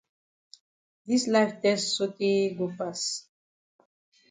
Dis life tess sotay go pass.